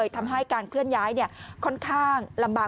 ทำให้การเคลื่อนย้ายค่อนข้างลำบาก